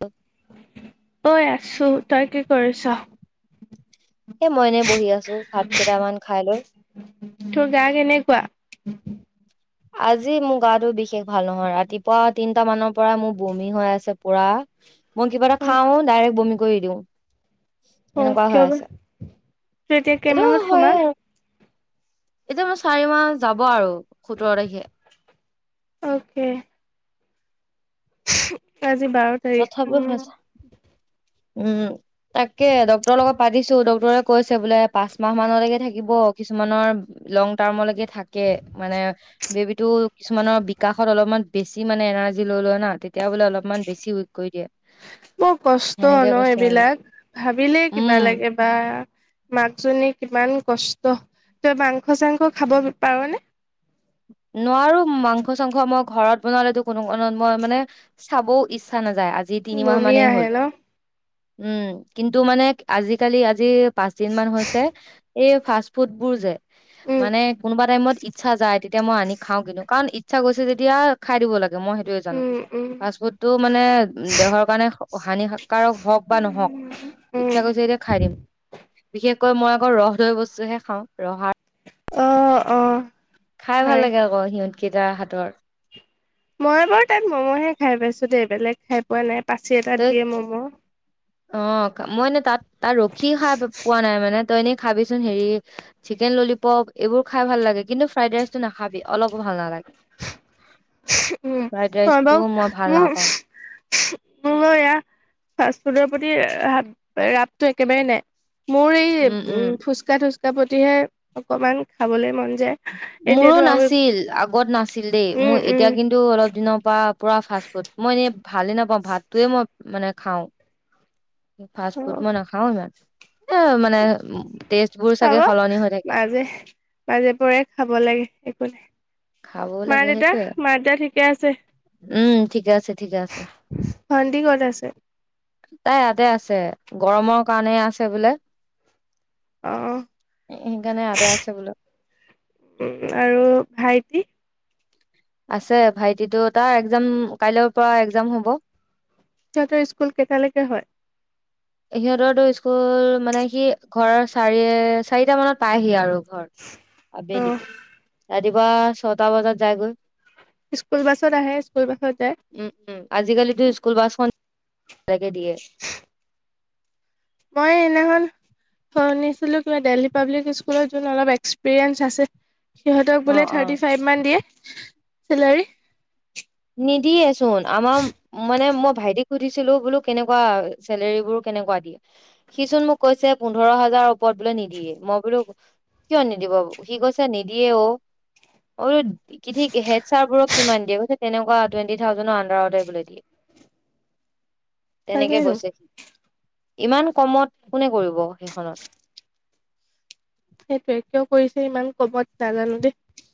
অ ঐ আছো তই কি কৰিছ? এ মই এনেই বহি আছো ভাত কেইটামান খাই লৈ তোৰ গা কেনেকুৱা আজি মোৰ গা টো বিশেষ ভাল নহয় ৰাতিপুৱা তিনটা মানৰ পৰা মোৰ বমি হৈ আছে পুৰা মই কিবা এটা অ', খাই আহোঁ ডাইৰেক্ বমি কৰি দিওঁ অ এনেকুৱা হৈ কিয় বা আছে এতিয়া এইটো কেইমাহত হয়ে সোমা আৰু। এতিয়া মোৰ চাৰি মাহ যাব আৰু সোতৰ তাৰিখে অকে ত আজি বাৰ তাৰিখ উ তথাপিও হৈছে উম তাকে ডক্টৰ লগত পাতিছো ডক্টৰ কৈছে বোলে পাঁচ মাহ মানলৈকে থাকিব কিছুমানৰ লং টাৰ্মলৈকে থাকে মানে বেবীতো কিছুমানৰ বিকাশত অলপমান বেছি মানে এনাৰ্জি লৈ লয় না তেতিয়া বোলে অলপমান বেছি উইক কৰি দিয়ে ম কষ্ট সেনেকে ন কৈছে আৰু। এইবিলাক ভাবিলে কিবা উম, লাগে বা মাক জনী কিমান কষ্ট তই মাংস চাংস খাব পাৰনেে নোৱাৰো মাংস চাংস মই ঘৰত বনালেতো কোনো কাৰণত মই মানে চাবও ইচ্ছা নাযায় আজি তিনিমাহ বমি মানেই আহে হ'ল ন উম কিন্তু মানে আজিকালি আজি পাঁচ দিন মান হৈছে এই ফাষ্ট ফুড বোৰ যে উম, মানে কোনোবা টাইমত ইটছা যায় তেতিয়া মই আনি খাওঁ কিন্তু কাৰণ ইচ্ছা গৈছে যেতিয়া খাই দিব লাগে মই সেইটোয়ে জানো উম, উম, ফাষ্ট ফুড টো মানে দেহৰ কাৰণে হানিকাৰক হওক বা নহওক উম, ইচ্ছা গৈছে যেতিয়া খাই দিম বিশেষকৈ মই আকৌ ৰহদৈ বস্তুহে খাওঁ ৰহাৰ অ অ খাই ভাল হয় লাগে আকৌ সিহঁতকেইটা হাত ৰ মই বাৰু তাত ম'মহে খাই পাইছো দেই বেলেগ খাই পোৱা নাই পাচি এটাত তই দিয়ে ম'ম' অ মই নো তাত তাত ৰখি খাই পোৱা নাই মানে তই এনেই খাবিচোন হেৰি চিকেন ললিপপ এইবোৰ খাই ভাল লাগে কিন্তু ফ্ৰাইড ৰাইচটো নাখাবি অলপ ও ভাল নালাগে উম ফ্ৰাইড ম হব ৰাইচটো মই ভাল উম নাপাওঁ মোৰ এয়া ফাষ্ট ফুডৰ প্ৰতি ৰাপটো একেবাৰেই নাই মোৰ এই উম ফুচকা তুচকা প্ৰতিহে অকনমান খাবলৈ মন যায়। মোৰো এতিয়াতো আৰু নাছিল আগত নাছিল দেই উম মোৰ এতি উম এতিয়া কিন্তু অলপ দিনৰ প পৰা পুৰা ফা ফুড মই এনে। ভালে নাপাওঁ ভাতটোৱে মই মানে। খাওঁ। ফাষ্ট ফুড মই নাখাও ইমান। এ মানে টেষ্ট বোৰ চাগে খাবা সলনি হৈ থাকে মাজে মাজে পৰে খাব লাগে একো নাই। খাবও মা লাগে দেউতা সেইটোয়ে মা দেতা ঠিকে আছে। ঠিক আছে। ঠিকে আছে ভন্তি কত আছে। তাই ইয়াতে আছে। গৰমৰ কাৰণেই আছে বোলে। অ সেইকাৰণে এয়াযতে আছে বোলো। উম আৰু ভাইটি আছে ভাইটিতো তাৰ এক্জাম কাইলৈৰ পৰা এক্জাম হ'ব। তহতৰ স্কুল কেইটালৈকে হয়। সিহঁতৰতো স্কুল মানে সি ঘৰ চাৰি চাৰিটা মানত পায়হি। আৰু ঘৰ অ আবেলি। ৰাতিপুৱা ছটা বজাত যাই গৈ। উম, স্কুল বাছত আহে স্কুল বাছত যায় উম আজিকালিতো স্কুল বাছখন। লাগে দিয়ে। মই সদিনাখন শুনিছিলোঁ কিবা দেলহী পাব্লিক স্কুলত য অলপ এক্সপিৰিয়েঞ্চ আছে। সিহঁতক অ বোলে অ থাৰ্টি ফাইভ মান দিয়ে। চেলাৰি। নিদিয়ে চোন আমাৰ মানে মই ভাইটিক সুধিছিলো বোলো। কেনেকুৱা চেলৰীবোৰ কেনেকুৱা দিয়ে সি চোন মোক কৈছে পোন্ধৰ হাজাৰৰ ওপৰত বোলে। নিদিয়ে মই বোলো কিয় নিদিব সি কৈছে নিদিয়ে অ মই বোলো কি ঠিক হেড চাৰ বোৰক কিমান দিয়ে কৈছে। তেনেকুৱা টুৱেণ্টি থাউজেণৰ আডাৰতে দিয়ে। তেনেকে তাকেইতো কৈছে। ইমান কমত কোনে কৰিব সেইখনত। সেইটোৱে কিয় কৰিছে ইমান কমত নাজানো দেই।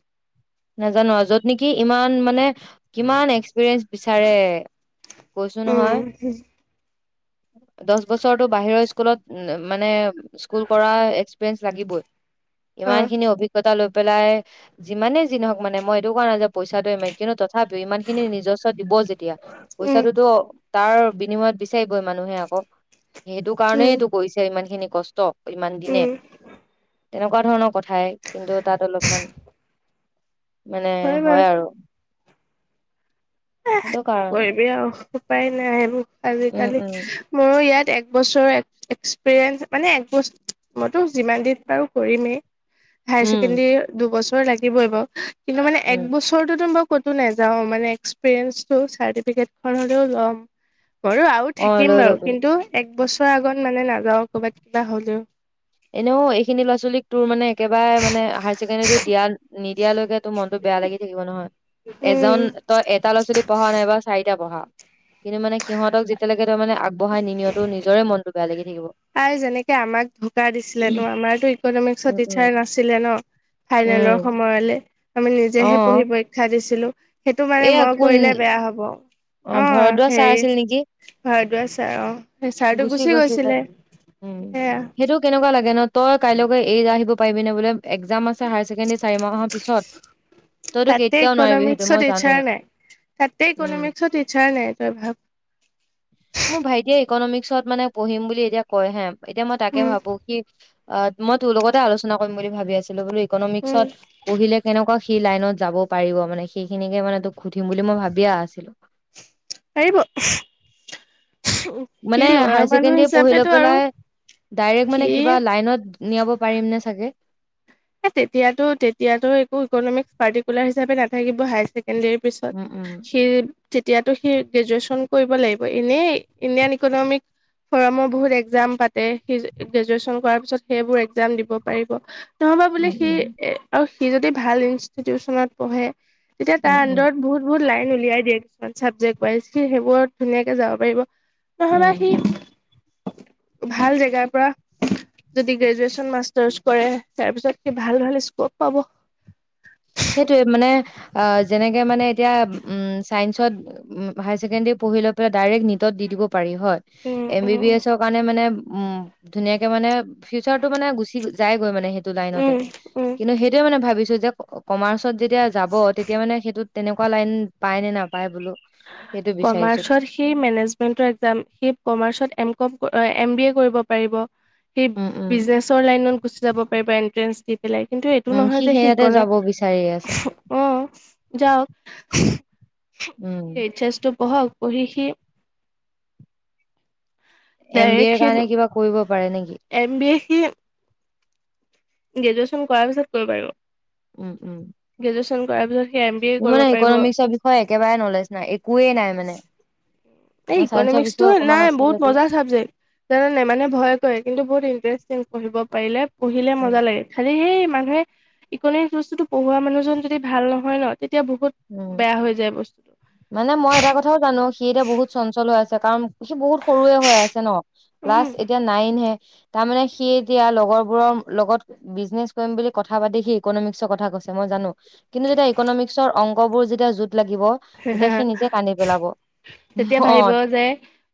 নাজানো যত নেকি। ইমান মানে কিমান এক্সপিৰিয়েঞ্চ বিচাৰে কৈছো। উম নহয় দহ বছৰতো বাহিৰৰ স্কুল। অম মানে স্কুল কৰা এক্সপিৰিয়েঞ্চ লাগিবই। অ ইমান খিনি অভিজ্ঞতা ল। পেলাই যিমানে। যিহওক মান মইটো কৰা নাই যে পইচাটোৱে মেইন। তথাপিও ইমান খিনি নিজস্ব দিব যেতিয়া উম পইচাটোতো। তাৰ বিনিময়ত বিচাৰিবই মানুহে আকৌ। সেইটো কাৰণেই উম তটো কৰিছে ইমান খিনি। কষ্ট ইমান দিনে উম তেনেকুৱা ধৰণৰ কথাই কিন্তু তাত অলপমান মানে হয় আৰু সেইটো কি কাৰণে কৰিবি আৰু উপায় নাই আৰু উম আজিকালি উম মোৰো ইয়াত একবছৰৰ এক্সপিৰিয়েন্ঞ্চ মানে একবছ মইতো যিমান দিন পাৰো কৰিমেই হায় উম ছেকেণ্ডৰী দুবছৰ লাগিবই বাৰু কিন্তু মানে এক উম বছৰৰততো মই ক'তো নাযাও মানে চাৰ্টিফিকট হলেও ল'ম বাৰু আৰু অ থাকিম লৈ বাৰু লবি কিন্তু বছৰ আগত মানে নাযাও ক'ৰবাত কিবা হ'লেও এনেও এইখিনি ল'ৰা ছোৱালীক তোৰ মানে একেবাৰে মানে হায়াৰ ছেকেণ্ডেৰী দিয়া নিদিয়ালৈকে তোৰ মনতটো বেয়া লাগি থাকিব নহয়। এজন উম তই এটা ল'ৰা ছোৱালী পঢ়া নাই বা চাৰিটা পঢ়া কিন্তু মানে সিহঁতক যেতিয়ালৈকে তই মানে আগ বঢ়াই নি নিয়তো নিজৰে মনটো বেয়া লাগি সি কব আই যেনেকে আমাক ধ ধকা দিছিলে ন আমাৰতো ইকনমিক্সৰ উম টিচাৰ উম নাছিলে ন ফাইনেলৰ উম সময়লে আমি অ নিজেহে পঢ়ি পৰীক্ষা দিছিলো সেইটো মানে এয়া মই কোন কৰিলে বেয়া হব। অ অঁ ভৰদ্বাজ ছাৰ হেৰি আছিল নেকি ভৰদুৱাৰ চাৰ অঁহ ছাৰটো গুচি গৈছিলে উম, সেয়া সেইটো কেনেকুৱা লাগে ন, তই কাইলৈকে এৰি যাই পাৰিবিনে বোলে এক্সাম আছে। হ ছেকেণ্ডী চাৰি মাহৰ পিছত তইতো তাতে কেতিয়াও নোৱাৰিবি সেইটো ইকনমিক্সৰ মই জানো। টিচাৰ নাই। তাতে উম, ইকনমিক্সৰ টিচাৰ নাই তই ভাব মোৰ ভাইটিয়ে ইকনমিক্সত মানে পঢ়িম বুলি এতিয়া কয় হে এতিয়া মই, তাকে উম ভাবো কি অ' মই তোৰ লগতে আলোচনা কৰিম বুলি ভাবি আছিলো, বুলি উম ইকনমিক্সত পঢ়িলে কেনেকুৱা সি লাইনত যাব পাৰিব মানে সেইখিনিকে মানে তোক সুধিম বুলি মই ভাবিযে আছিলো। পাৰিব। সি মানে ল'ৰা হায়াৰ মানুহ ছেকেণ্ডৰী পঢ়ি লৈ হিচাপেতো আৰু পেলাই ডাইৰেক্ট সি মানে কিবা লাইনত নিয়াব পাৰিম নে চাগে? তেতিয়া-তেতিয়াটো একো ইকনমিক পাৰ্টিকাৰ হিচাপে নাথাকিব হাই চেকেণ্ড পিছত উম উম সি তেতিয়টো সি গ্ৰেজুৱেচন কৰিব লাগিব এনে ইণ্ডিয়ান ইকনমিক ফৰমৰ বহুত এক্জাম পাতে গ্ৰেজুৱন কৰাৰ পিছত সেইবোৰ এক্সাম দিব পাৰিব। নহবা বোলে উম সি উম এ আৰু সি যদি ভাল ইনষ্টিটিউচনত পঢ়ে, তেতিয়া তাৰ উম উম আন্দৰত বহুত-বহুত, লাইন উলিয়াই দিয়ে কিছুমান চাবজেক্ট ৱাইজ সেইবোৰত ধুনীয়াকে যাব পাৰিব। উম নহলে সি ভাল জেগাৰ পৰা যদি গ্ৰেজুৱেচন মাষ্টাৰ্চ কৰে। তাৰ পিছত কি ভাল ভাল স্কপ পাব। সেইটোয়ে মানে, অ', যেনেকৈ মানে এতিয়া ছাইন্সত হায়াৰ ছেকেণ্ডেৰী পঢ়ি লৈ পেলাই ডাইৰেক্ট নীটত দি দিব পাৰি হ' উম এম উম বি উম এছ ৰ কাৰনে মানে উম, ধুনীয়াকে মানে ফিউচাৰটো মানে গুচি যাইগৈ মানে সেইটো লাইনতে উম উম কিন্তু সেইটোয়ে মানে ভাবিছো [unintelligible] কমাৰ্চ ত যেতিয়া যাব, তেতিয়া মানে সেইটোত তেনেকুৱা লাইন পায় নে নাপায় বোলো সেইটো বিচাৰিছো। কমাৰ্চত সি মেনেজমেন্তৰ এক্সাম সি কমাৰ্চত M com M B A কৰিব পাৰিব। সেই উম উম বিজনেচৰ লাইনত গুচি যাব পাৰিব এণ্ট্ৰেন্ দি, কিন্তু এইটো উম নহয় যে সি সেয়াতে যাব বিচাৰি আছে। ইকো অ' যাওক, সি উম এইহ এচ টো পঢ়ক পঢ়ি সি এম বি ডাইৰেক্ট এৰ কাৰণে সি কিবা কৰিব পাৰে নেকি? [unintelligible] গ্ৰেজুৱেচন কৰাৰ পিছত কৰিব পাৰিব। উম উম। গ্ৰেজুৱেশ্যন কৰাৰ পিছত সি এম বি এ মোৰ কৰিব মানে পাৰিব ইকনমিক্সৰ বিষয়ে একেবাৰে নলেজ নাই। একোৱে নাই মানে। এই মই চাইন্সৰ ইকনমিক্স টো বিষয়ে অকমান নাই আছে বহুত যদি মজা চাবজেক্ট। জানানে নাই মানুহে ভয় কৰে কিন্তু বহুত ইন্তেৰ [unintelligible] পঢ়িব পাৰিলে পঢ়িলে উম মজা লাগে। খালি সেই মানুহে ইকনমিক্স বস্তুতো পঢ়োৱা মানুহজন যদি ভাল নহয় ন তেতিয়া বহুত উম বেয়া হৈ যায় বস্তুটো মানে মই এটা কথাও জানো সি তিয়া বহু চঞ্চল আছে। [unintelligible] সি বহুত সৰুৱে হৈ আছে ন। ক্লাছ উম এতিয়া নাইনহে। তাৰমানে সি এতিয়া লগৰবোৰৰ লগত বিজনেচ কৰিম বুলি কথা পাতি সি ইকনমিক্সৰ কথা কৈছে মই জানো। কিন্তু যেতিয়া ইকনমিক্সৰ অংকবোৰ যেতিয়া য'ত হ হ হ তেতিয়া অ ভাবিব যে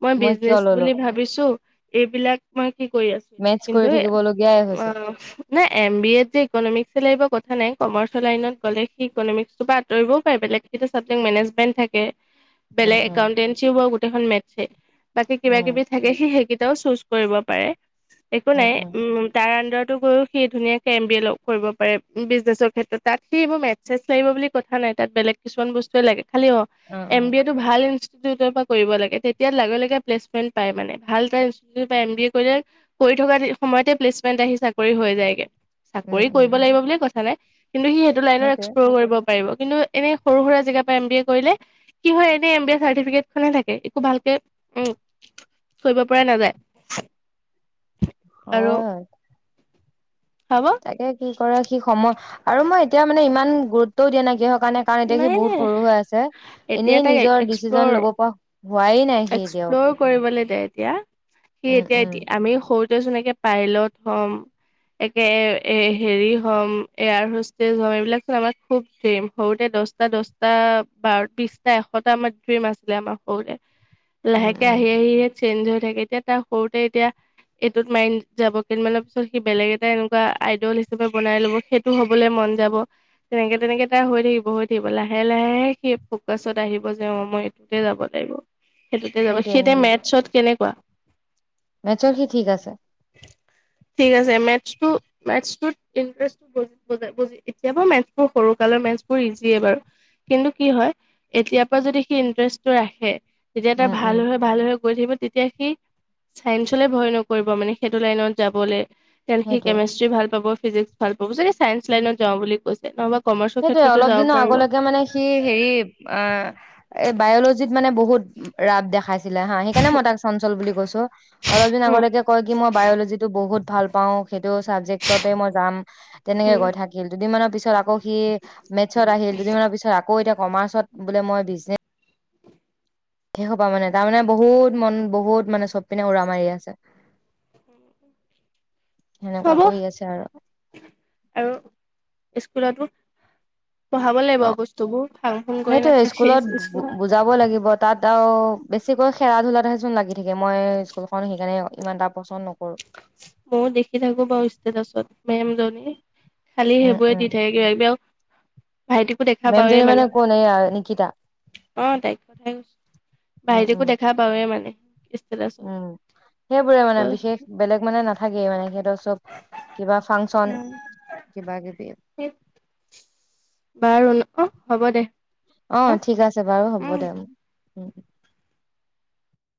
মই কিয় বিজনেচ ললো বুলি ভাবিছো এইবিলাক মই কি কৰি আছো। মেথছ কৰি কিন্তু থাকিবলগীয়াই হৈছে অ- না এম বি এত যে ইকনমিক্সে লাগিব কথা নাই কমাৰ্চৰ লাইনত গলে সি ইকনমিক্সটো পা আতৰিবও পাৰে বেলেগে কীতা চাব [unintelligible] মেনেজমেণ্ট থাকে। উম বেলেগ উম একাউটেন্ঞ্চি [unintelligible] এইখন মেথছ্‌হে। বাকী কিবা উম কিবি থাকে সি সেইকি [unintelligible] চুজ কৰিব পাৰে। একো নাই। উম তাৰ আন্দাৰত টো কৰিও সি ধুনীয়াকে এম বি এ ল - কৰিব পাৰে। বিজনেছৰ ক্ষেত্ৰত তাত সিবোৰ মেথছ্‌ চেঠছ্‌ লাগিব বুলি কথা নাই তাত বেলেগ কিছুমান বস্তু [unintelligible] খালি অ উম - এম উম বি এ টো ভাল ইনচ ইনষ্টিটিউটৰ কৰিব লাগে তেতিয়া লগে লগে প্লেচমেন্ট পায় মানে। ভাল কে ইনষ্টিউটৰ পৰা এম বি এ কৰিলে কৰি থকা [unintelligible] সময়তে প্লেচমেন্ট আহি চাকৰি হৈ যায়গে। উম চাকৰি উম কৰিব লাগিব বুলিয়ে কৈছে। হয় নে? কিন্তু সি সেইটো লাইনত সেইটোৱে এক্সপ্লৰ কৰিব পাৰিব। কিন্তু এনে সৰু সুৰা জেগাত পৰা এম বি এ কৰিলে কি হয় এনে এম বি এ চাৰ্টিফিকেট খন হে থাকে। একো ভাল কে ওম - কৰিব পৰা নাযায়। আৰু অ হ'ব তাকে কি কৰে সি সময় আৰু মই এতিয়া মানে ইমান গুৰুতও দিয় নাই দিওক কাৰণ এতিয়া সি নাই বহুত নাই সৰু হৈ আছে এতিয়া এনেই তাক নিজৰ এক্সপ্লৰ ডিচিচন ল'ব পৰা হোৱাই নাই সি এতিয়াও একো। এক্সপ্ল'ৰ কৰিবলৈ দে এতিয়া সি উম এতিয়া উম এতিয়া আমি সৰু যেনেকে পাইলট হ'ম একে এ হেৰি হ'ম এয়াৰ হোষ্টেজ হম এইবিলাক চোন আমাৰ খুব ড্ৰিম সৰুতে দহটা দহটা বাৰ বিশটা এশটা আমাৰ ড্ৰিম আছিলে আমাৰ সৰুতে উম লাহেকে উম আহি আহি চেঞ্জ হৈ থাকে এতিয়া তাৰ সৰুতে এতিয়া এইটোত মাইণ্ড যাব কেইদিনমানৰ পিছত সি বেলেগ এটা এনেকুৱা আইডল হিচাপে বনাই লব সেইটো হবলৈ মন যাব এনেকে তেনেকে তাৰ হৈ থাকিব হৈ থাকিব লাহে লাহে সি ফকাচত আহিব যে অ মই এইটোতে যাব লাগিব সেইটোতে যাব সেইটোয়ে সেইয়া মেথছত কেনেকুৱা মেটছত সি ঠিক আছে ঠিক আছে মেথছ্ টো মেথছ্ টোত সি এতিয় পৰা মেথছৰ সৰু কালৰ মেথছ্ ইজিয়ে বাৰু কিন্তু কি হয় এতিয়াৰ পৰা যদি সি ইন্টাৰেষ্টটো ৰাখে তেতিয়া তাৰ উম উম ভাল হয় ভাল হয় গৈ থাকিব তেতিয়া সি চাইন্সলে ভয় নকৰিব মানে সেইটো লাইনত যাবলৈ তেতিয়া সি সেইটোয়ে কেমেষ্ট্ৰি ভাল পাব ফিজিক্স ভাল পাব ছায়ন্স লাইনত যাওঁ বুলি কৈছে নহবা কমাৰ্চৰ সেইটোয়ে ক্ষেত্ৰতো অলপ যাব দিনৰ পাৰিব। আগলৈকে মানে সি হেৰি অ এই বায়লজিত মানে বহুত ৰাপ দেখা খাইছিলে হা সেইকাৰণে মই তাক চঞ্চল বুলি কৈছো অলপ দিন উম, আগলৈকে কয় কি মই বায়'লজি টো বহুত ভাল পাওঁ সেইটোও ছাবজেক্ট ততে মই যাম তেনেকে উম, কৈ থাকিল দুদিনমানৰ পিছত আকৌ মেথছ্ত আহিল দুদিনমান পিছত আকৌ এতিয়া কমাৰ্চত বোলে মই সেই হোপা মানে তাৰমানে বহুত মন বহুত মানে চব পিনে উৰা মাৰি আছে [inaudible] সেনেকুৱা হব কৰি আছে আৰু আৰু স্কুলতো পঢ়াব লাগিব অ বস্তুবোৰ ফাং ফুং কৰি সেইটোয়ে নাথাকে স্কুল ত বেছিকৈ খেলা ধূলাতহেচোন লাগি থাকে মই স্কুলখন সেইকাৰণে ইমান এটা পচন্দ নকৰো মই ও দেখি থাকো বাৰু ষ্টেটাছ ত মেম জনিৰ খালি উম সেইবোৰে উম দি থাকে কিবা কিবি আৰু ভাইটিকো দেখা পাওৱে মেমজনী মানে কোন এই নিকিতা অ তাই উম উম ভাইটিকো দেখা পাওৱে মানে ষ্টেটাছত উম সেইবোৰে মানে ত' বিশেষ বেলেগ মানে নথাকে মানে ব কিবা ফাংচন কিবা কিবি উম। বাৰু ন' অ' হ'ব দে অঁ ন' ঠিক আছে বাৰু হ'ব উম। দে [inaudible]